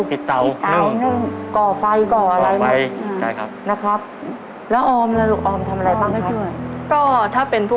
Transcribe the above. ติดเตามึง